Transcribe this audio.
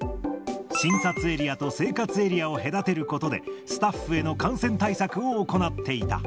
診察エリアと生活エリアを隔てることで、スタッフへの感染対策を行っていた。